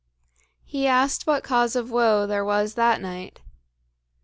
He asked what cause of woe there was that night.